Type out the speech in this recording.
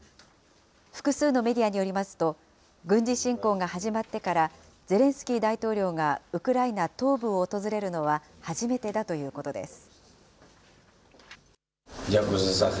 複数のメディアによりますと、軍事侵攻が始まってから、ゼレンスキー大統領がウクライナ東部を訪れるのは、初めてだということです。